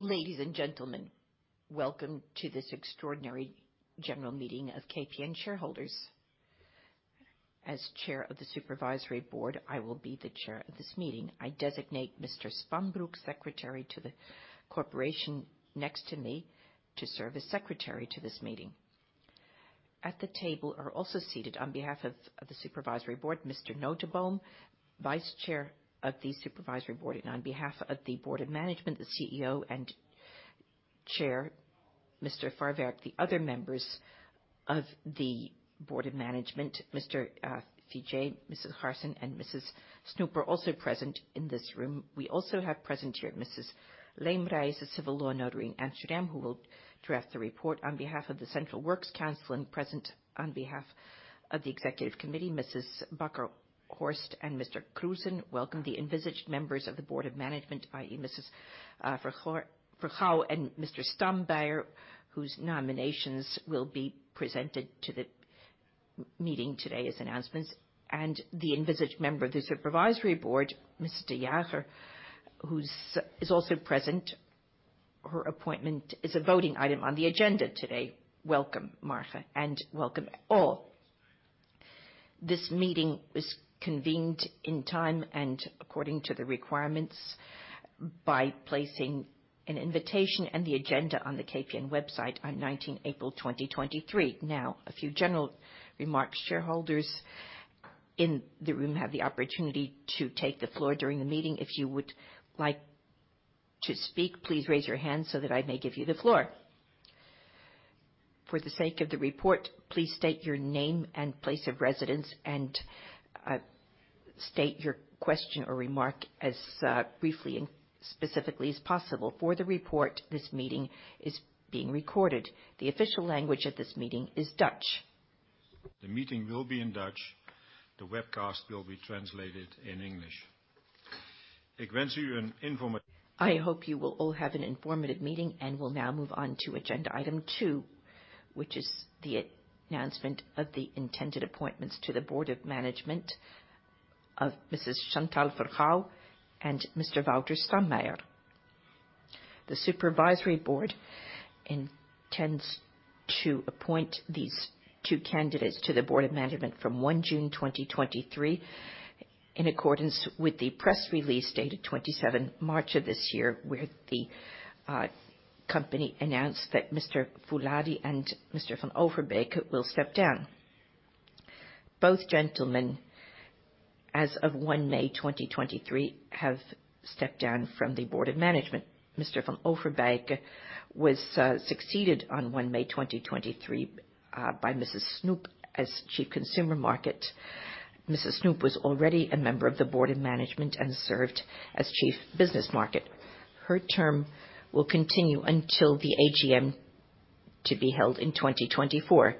Ladies and gentlemen, welcome to this extraordinary general meeting of KPN shareholders. As chair of the supervisory board, I will be the chair of this meeting. I designate Mr. Zwanenburg, Secretary to the Corporation, next to me, to serve as secretary to this meeting. At the table are also seated, on behalf of the supervisory board, Mr. van de Aast, vice chair of the supervisory board, and on behalf of the Board of Management, the CEO and Chair, Mr. Farwerck. The other members of the Board of Management, Mr. Figee, Mrs. Garssen, and Mrs. Snoep, are also present in this room. We also have present here, Mrs. Leemreize, a Civil Law Notary in Amsterdam, who will draft the report on behalf of the Central Works Council. Present on behalf of the Executive Committee, Mrs. Bakker-Horst and Mr. Kroezen. Welcome the envisaged members of the Board of Management, i.e. Vergouw and Mr. Stammeijer, whose nominations will be presented to the meeting today as announcements, and the envisaged Member of the Supervisory Board, Mrs. de Jager, who is also present. Her appointment is a voting item on the agenda today. Welcome, Marga, and welcome, all. This meeting is convened in time and according to the requirements, by placing an invitation and the agenda on the KPN website on 19 April 2023. A few general remarks. Shareholders in the room have the opportunity to take the floor during the meeting. If you would like to speak, please raise your hand so that I may give you the floor. For the sake of the report, please state your name and place of residence, and state your question or remark as briefly and specifically as possible. For the report, this meeting is being recorded. The official language of this meeting is Dutch. The meeting will be in Dutch. The webcast will be translated in English. I hope you will all have an informative meeting and will now move on to agenda item 2, which is the announcement of the intended appointments to the Board of Management of Mrs. Chantal Vergouw and Mr. Wouter Stammeijer. The Supervisory Board intends to appoint these two candidates to the Board of Management from June 1, 2023, in accordance with the press release, dated March 27 of this year, where the company announced that Mr. Fouladi and Mr. van Overbeke will step down. Both gentlemen, as of May 1, 2023, have stepped down from the Board of Management. Mr. van Overbeke was succeeded on May 1, 2023, by Mrs. Snoep as Chief Consumer Market. Mrs. Snoep was already a member of the Board of Management and served as Chief Business Market. Her term will continue until the AGM, to be held in 2024.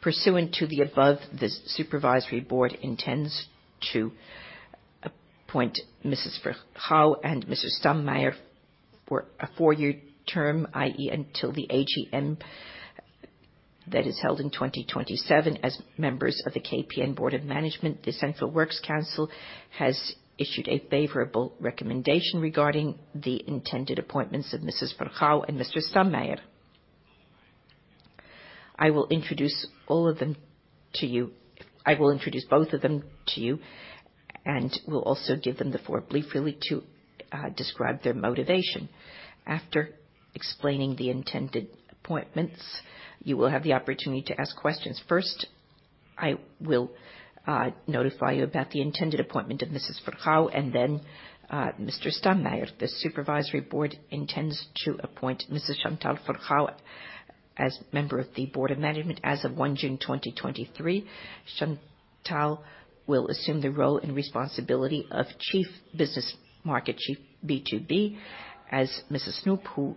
Pursuant to the above, the Supervisory Board intends to appoint Mrs. Vergouw and Mr. Stammeijer for a four-year term, i.e., until the AGM that is held in 2027, as members of the KPN Board of Management. The Central Works Council has issued a favorable recommendation regarding the intended appointments of Mrs. Vergouw and Mr. Stammeijer. I will introduce all of them to you. I will introduce both of them to you and will also give them the floor briefly to describe their motivation. After explaining the intended appointments, you will have the opportunity to ask questions. First, I will notify you about the intended appointment of Mrs. Vergouw and then Mr. Stammeijer. The Supervisory Board intends to appoint Mrs. Chantal Vergouw as member of the Board of Management as of 1 June, 2023. Chantal will assume the role and responsibility of Chief Business Market, Chief B2B, as Mrs. Snoep, who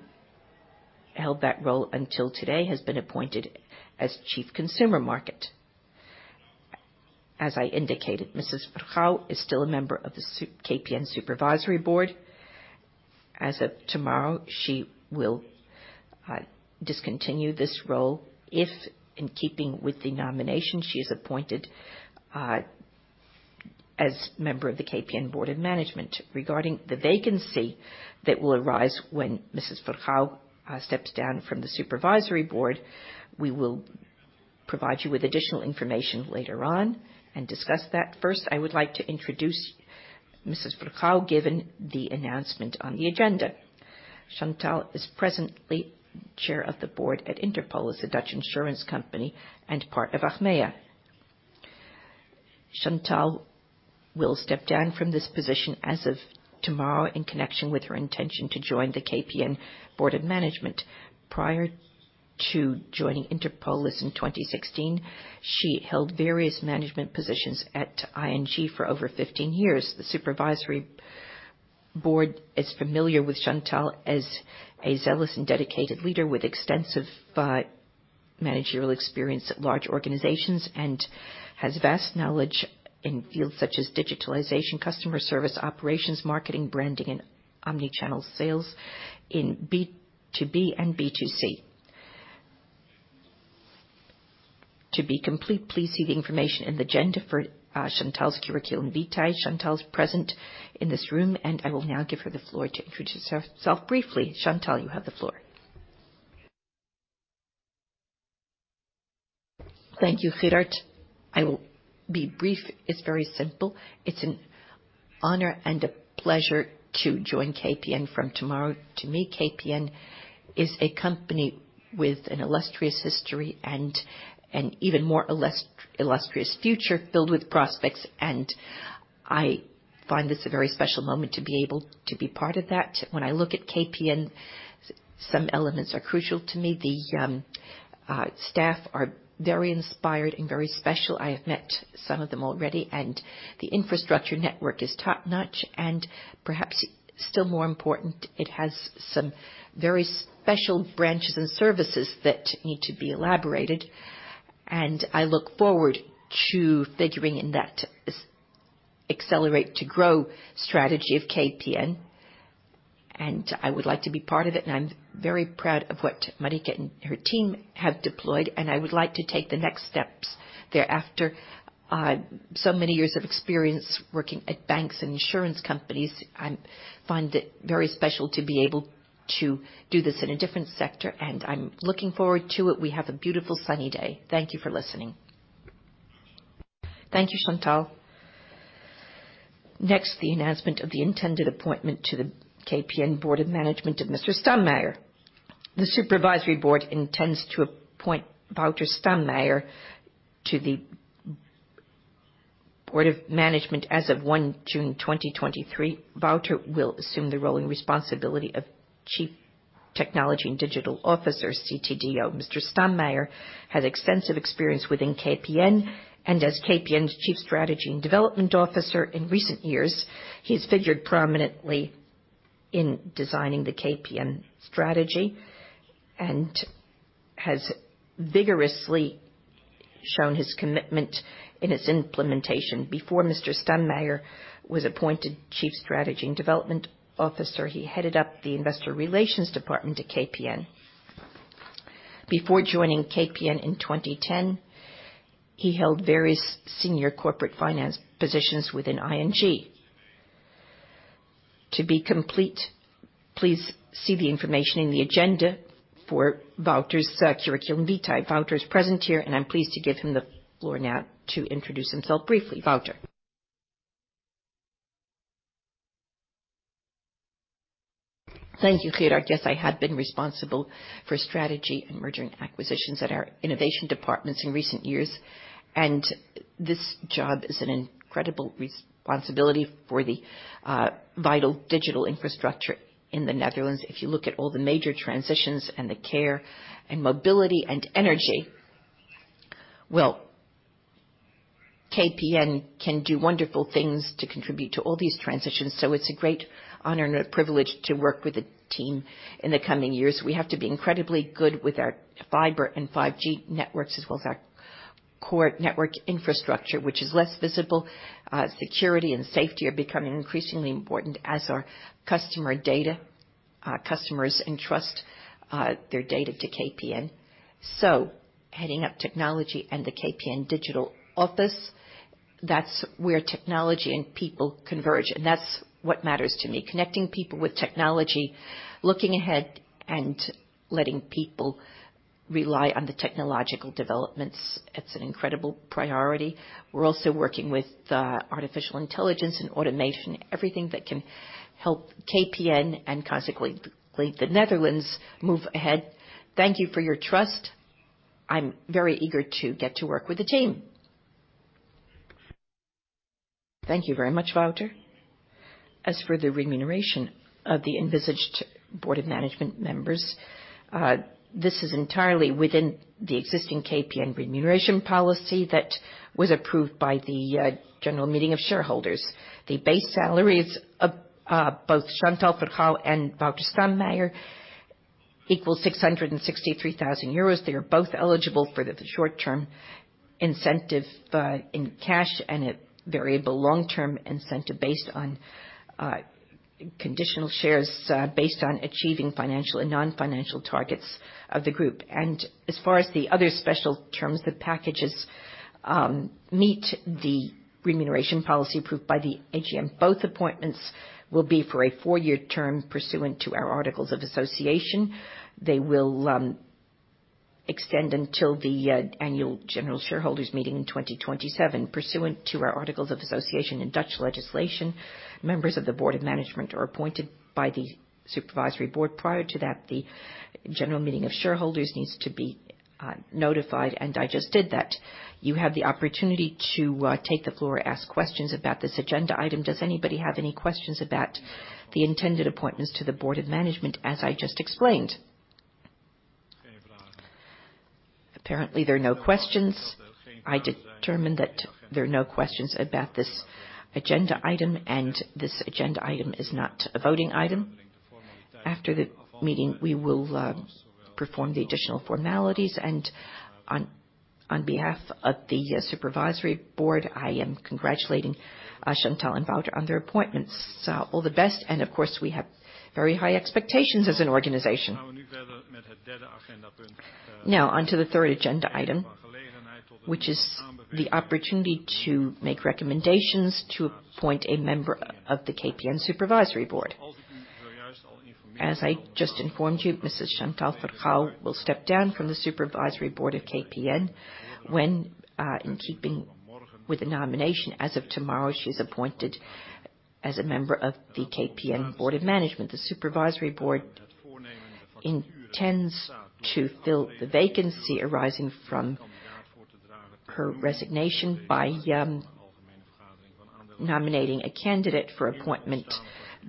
held that role until today, has been appointed as Chief Consumer Market. As I indicated, Mrs. Vergouw is still a member of the KPN Supervisory Board. As of tomorrow, she will discontinue this role, if, in keeping with the nomination, she is appointed as member of the KPN Board of Management. Regarding the vacancy that will arise when Mrs. Vergouw steps down from the Supervisory Board, we will provide you with additional information later on and discuss that. First, I would like to introduce Mrs. Vergouw, given the announcement on the agenda. Chantal is presently chair of the board at Interpolis, a Dutch insurance company and part of Achmea. Chantal will step down from this position as of tomorrow, in connection with her intention to join the KPN Board of Management. Prior to joining Interpolis in 2016, she held various management positions at ING for over 15 years. The supervisory board is familiar with Chantal as a zealous and dedicated leader with extensive managerial experience at large organizations, and has vast knowledge in fields such as digitalization, customer service, operations, marketing, branding, and omni-channel sales in B2B and B2C.... To be complete, please see the information in the agenda for Chantal's curriculum vitae. Chantal is present in this room. I will now give her the floor to introduce herself briefly. Chantal, you have the floor. Thank you, Gerard. I will be brief. It's very simple. It's an honor and a pleasure to join KPN from tomorrow. To me, KPN is a company with an illustrious history and an even more illustrious future filled with prospects, and I find this a very special moment to be able to be part of that. When I look at KPN, some elements are crucial to me. The staff are very inspired and very special. I have met some of them already, and the infrastructure network is top-notch, and perhaps still more important, it has some very special branches and services that need to be elaborated. I look forward to figuring in that Accelerate to Grow strategy of KPN, and I would like to be part of it. I'm very proud of what Marieke and her team have deployed, and I would like to take the next steps thereafter. Many years of experience working at banks and insurance companies, I find it very special to be able to do this in a different sector, and I am looking forward to it. We have a beautiful, sunny day. Thank you for listening. Thank you, Chantal. Next, the announcement of the intended appointment to the KPN Board of Management of Mr. Stammeijer. The Supervisory Board intends to appoint Wouter Stammeijer to the Board of Management as of June 1, 2023. Wouter will assume the role and responsibility of Chief Technology & Digital Officer, CTDO. Mr. Stammeijer has extensive experience within KPN, and as KPN's Chief Strategy & Development Officer in recent years, he has figured prominently in designing the KPN strategy and has vigorously shown his commitment in its implementation. Before Mr. Stammeijer was appointed Chief Strategy & Development Officer, he headed up the Investor Relations department at KPN. Before joining KPN in 2010, he held various senior corporate finance positions within ING. To be complete, please see the information in the agenda for Wouter's curriculum vitae. Wouter is present here, and I'm pleased to give him the floor now to introduce himself briefly. Wouter. Thank you, Gerard. Yes, I had been responsible for strategy and merger, and acquisitions at our innovation departments in recent years, and this job is an incredible responsibility for the vital digital infrastructure in the Netherlands. If you look at all the major transitions, and the care, and mobility, and energy, well, KPN can do wonderful things to contribute to all these transitions. It's a great honor and a privilege to work with the team in the coming years. We have to be incredibly good with our fiber and 5G networks, as well as our core network infrastructure, which is less visible. Security and safety are becoming increasingly important as our customer data. Our customers entrust their data to KPN. Heading up technology and the KPN digital office, that's where technology and people converge, and that's what matters to me, connecting people with technology, looking ahead, and letting people rely on the technological developments. It's an incredible priority. We're also working with artificial intelligence and automation, everything that can help KPN and consequently, the Netherlands move ahead. Thank you for your trust. I'm very eager to get to work with the team. Thank you very much, Wouter. As for the remuneration of the envisaged Board of Management members, this is entirely within the existing KPN remuneration policy that was approved by the general meeting of shareholders. The base salaries of both Chantal Vergouw and Wouter Stammeijer equals 663,000 euros. They are both eligible for the short-term incentive in cash and a variable long-term incentive based on conditional shares, based on achieving financial and non-financial targets of the group. As far as the other special terms, the packages meet the remuneration policy approved by the AGM. Both appointments will be for a 4-year term pursuant to our articles of association. They will extend until the annual general shareholders meeting in 2027. Pursuant to our articles of association and Dutch legislation, members of the Board of Management are appointed by the Supervisory Board. Prior to that, the general meeting of shareholders needs to be notified, and I just did that. You have the opportunity to take the floor or ask questions about this agenda item. Does anybody have any questions about the intended appointments to the Board of Management, as I just explained? Apparently, there are no questions. I determine that there are no questions about this agenda item, and this agenda item is not a voting item. After the meeting, we will perform the additional formalities. On behalf of the Supervisory Board, I am congratulating Chantal and Wouter on their appointments. All the best, and of course, we have very high expectations as an organization. On to the third agenda item, which is the opportunity to make recommendations to appoint a member of the KPN Supervisory Board. As I just informed you, Mrs. Chantal Vergouw will step down from the Supervisory Board of KPN when, in keeping with the nomination, as of tomorrow, she's appointed as a member of the KPN Board of Management. The Supervisory Board intends to fill the vacancy arising from her resignation by nominating a candidate for appointment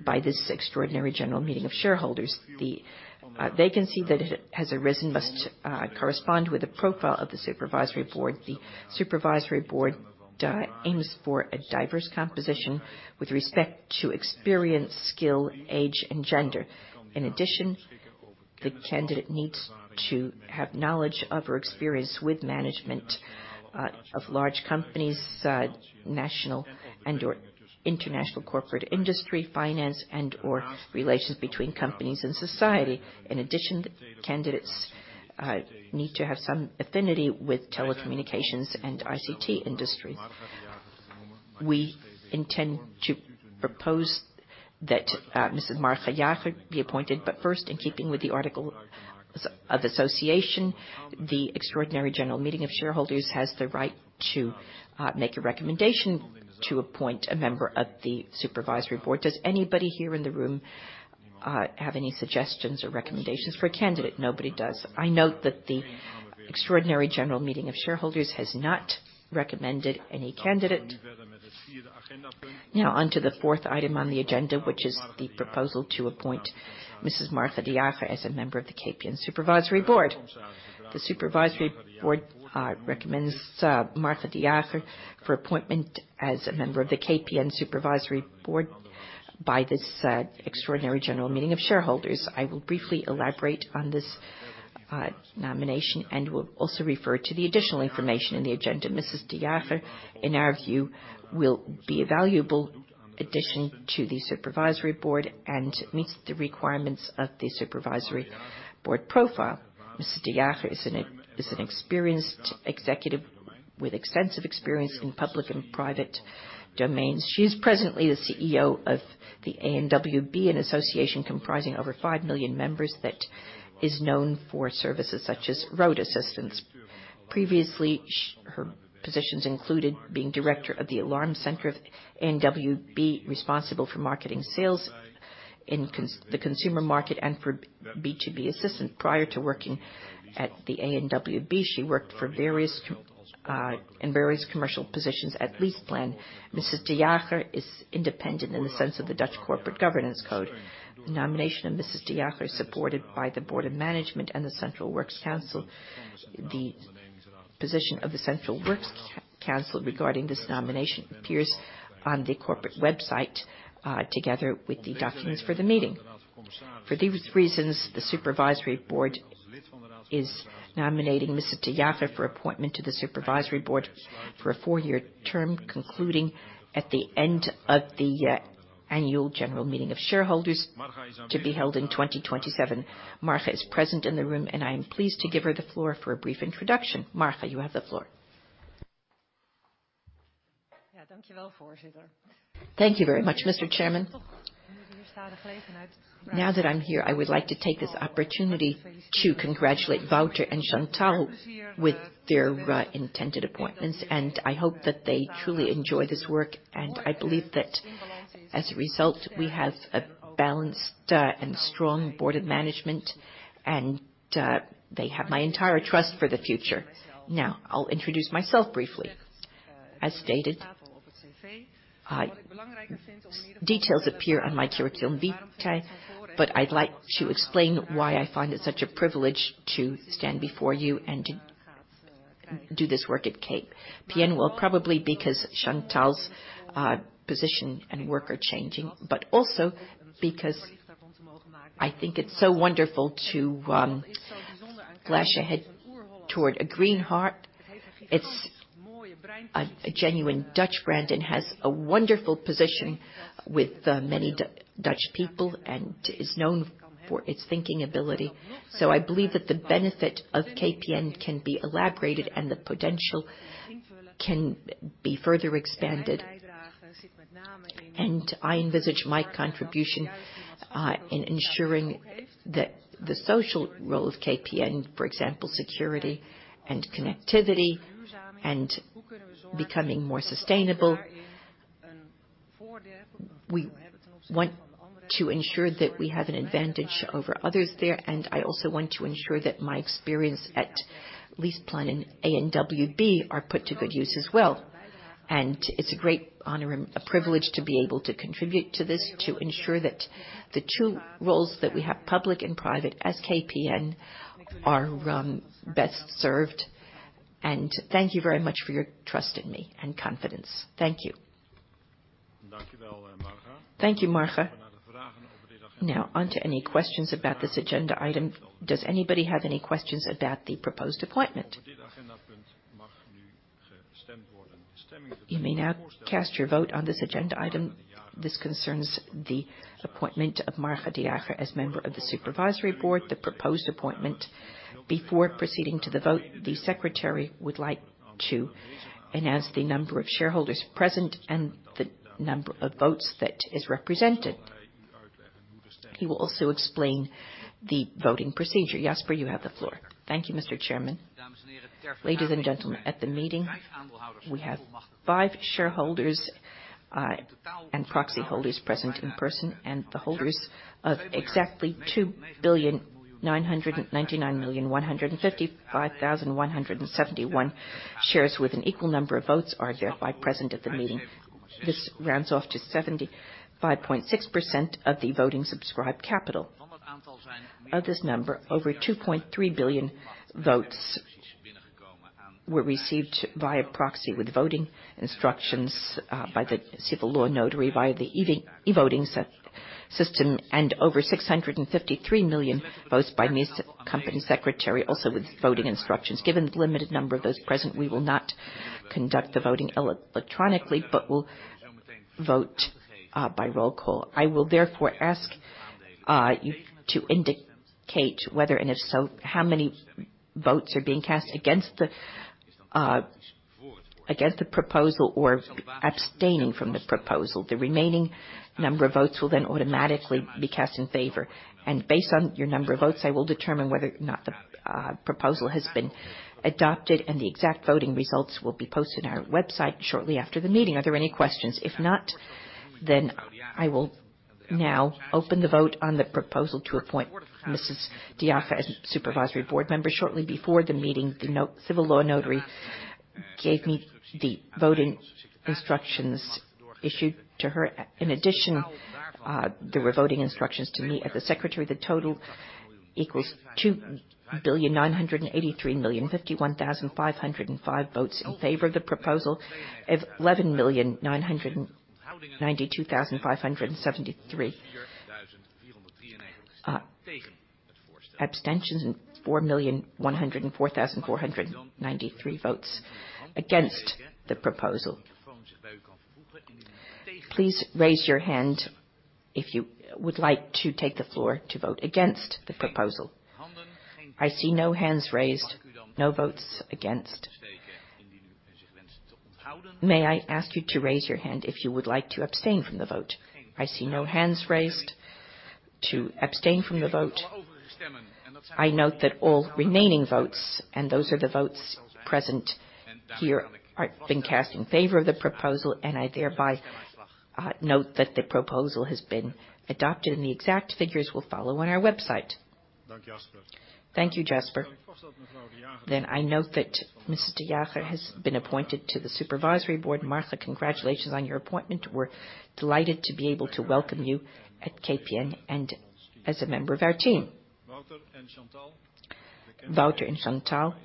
by this Extraordinary General Meeting of Shareholders. The vacancy that has arisen must correspond with the profile of the Supervisory Board. The Supervisory Board aims for a diverse composition with respect to experience, skill, age, and gender. In addition, the candidate needs to have knowledge of, or experience with management, of large companies, national and/or international corporate industry, finance, and/or relations between companies and society. In addition, the candidates need to have some affinity with telecommunications and ICT industry. We intend to propose that Mrs. Marga de Jager be appointed. First, in keeping with the article of association, the Extraordinary General Meeting of Shareholders has the right to make a recommendation to appoint a member of the Supervisory Board. Does anybody here in the room have any suggestions or recommendations for a candidate? Nobody does. I note that the Extraordinary General Meeting of Shareholders has not recommended any candidate. On to the fourth item on the agenda, which is the proposal to appoint Mrs. Marga de Jager as a member of the KPN Supervisory Board. The Supervisory Board recommends Marga de Jager for appointment as a member of the KPN Supervisory Board by this Extraordinary General Meeting of Shareholders. I will briefly elaborate on this nomination and will also refer to the additional information in the agenda. Mrs. De Jager, in our view, will be a valuable addition to the Supervisory Board and meets the requirements of the Supervisory Board profile. Mrs. de Jager is an experienced executive with extensive experience in public and private domains. She is presently the CEO of the ANWB, an association comprising over 5 million members, that is known for services such as road assistance. Previously, her positions included being director of the Alarm Center of ANWB, responsible for marketing sales in the consumer market and for B2B assistant. Prior to working at the ANWB, she worked for various, in various commercial positions at LeasePlan. Mrs. de Jager is independent in the sense of the Dutch Corporate Governance Code. The nomination of Mrs. de Jager is supported by the Board of Management and the Central Works Council. The position of the Central Works Council regarding this nomination appears on the corporate website, together with the documents for the meeting. For these reasons, the Supervisory Board is nominating Mrs. de Jager for appointment to the Supervisory Board for a 4-year term, concluding at the end of the Annual General Meeting of Shareholders to be held in 2027. Marga is present in the room, and I am pleased to give her the floor for a brief introduction. Marga, you have the floor. Thank you very much, Mr. Chairman. Now that I'm here, I would like to take this opportunity to congratulate Wouter and Chantal with their intended appointments, and I hope that they truly enjoy this work. I believe that as a result, we have a balanced and strong Board of Management, and they have my entire trust for the future. I'll introduce myself briefly. As stated, details appear on my curriculum vitae, but I'd like to explain why I find it such a privilege to stand before you and do this work at KPN. Probably because Chantal's position and work are changing, but also because I think it's so wonderful to flash ahead toward a green heart. It's a genuine Dutch brand and has a wonderful position with many Dutch people and is known for its thinking ability. I believe that the benefit of KPN can be elaborated and the potential can be further expanded. I envisage my contribution in ensuring that the social role of KPN, for example, security and connectivity and becoming more sustainable. We want to ensure that we have an advantage over others there. I also want to ensure that my experience at LeasePlan and ANWB are put to good use as well. It's a great honor and a privilege to be able to contribute to this, to ensure that the two roles that we have, public and private, as KPN, are best served. Thank you very much for your trust in me and confidence. Thank you. Thank you, Marga. On to any questions about this agenda item. Does anybody have any questions about the proposed appointment? You may now cast your vote on this agenda item. This concerns the appointment of Marga de Jager as member of the Supervisory Board, the proposed appointment. Before proceeding to the vote, the secretary would like to announce the number of shareholders present and the number of votes that is represented. He will also explain the voting procedure. Jasper, you have the floor. Thank you, Mr. Chairman. Ladies and gentlemen, at the meeting, we have 5 shareholders and proxy holders present in person, and the holders of exactly 2,999,155,171 shares with an equal number of votes are thereby present at the meeting. This rounds off to 75.6% of the voting subscribed capital. Of this number, over 2.3 billion votes were received via proxy with voting instructions by the civil law notary, via the e-voting system, and over 653 million votes by me, company secretary, also with voting instructions. Given the limited number of those present, we will not conduct the voting electronically, but will vote by roll call. I will therefore ask you to indicate whether, and if so, how many votes are being cast against the proposal or abstaining from the proposal. The remaining number of votes will then automatically be cast in favor. Based on your number of votes, I will determine whether or not the proposal has been adopted and the exact voting results will be posted on our website shortly after the meeting. Are there any questions? If not, I will now open the vote on the proposal to appoint Mrs. de Jager as Supervisory Board member. Shortly before the meeting, the Civil Law Notary gave me the voting instructions issued to her. In addition, there were voting instructions to me as the secretary. The total equals 2,983,051,505 votes in favor of the proposal. 11,992,573 abstentions, and 4,104,493 votes against the proposal. Please raise your hand if you would like to take the floor to vote against the proposal. I see no hands raised, no votes against. May I ask you to raise your hand if you would like to abstain from the vote? I see no hands raised to abstain from the vote. I note that all remaining votes, and those are the votes present here, are being cast in favor of the proposal, and I thereby note that the proposal has been adopted and the exact figures will follow on our website. Thank you, Jasper. I note that Mrs. de Jager has been appointed to the Supervisory Board. Marga, congratulations on your appointment. We're delighted to be able to welcome you at KPN and as a member of our team. Wouter and Chantal,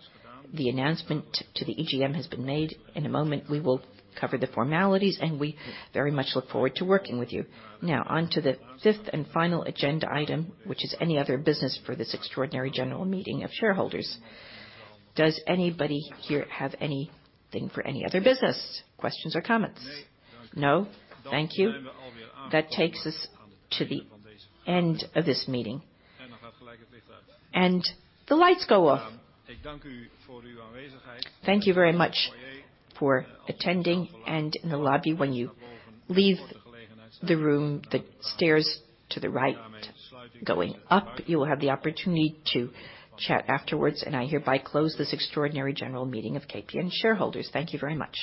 the announcement to the EGM has been made. In a moment, we will cover the formalities, and we very much look forward to working with you. On to the fifth and final agenda item, which is any other business for this Extraordinary General Meeting of Shareholders. Does anybody here have anything for any other business, questions or comments? No. Thank you. That takes us to the end of this meeting, and the lights go off. Thank you very much for attending. In the lobby, when you leave the room, the stairs to the right, going up, you will have the opportunity to chat afterwards. I hereby close this extraordinary general meeting of KPN shareholders. Thank you very much.